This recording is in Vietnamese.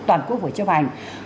toàn quốc phải chấp hành